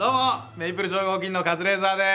メイプル超合金のカズレーザーです。